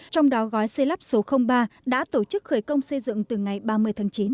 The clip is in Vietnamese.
trong đó gói xây lắp số ba đã tổ chức khởi công xây dựng từ ngày ba mươi tháng chín